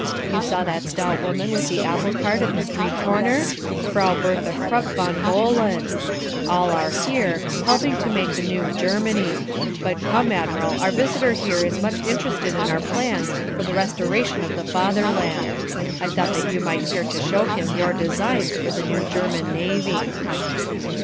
You saw that stout woman with the apple cart at the street corner? Frau Bertha Krupp Von Bohlen. All are here, helping to make the new Germany. But come, Admiral, our visitor here is much interested in our plans for the restoration of the Fatherland. I thought that you might care to show him your designs for the new German Navy."